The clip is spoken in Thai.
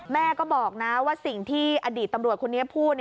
แม่ก็บอกนะว่าสิ่งที่อดีตตำรวจคนนี้พูด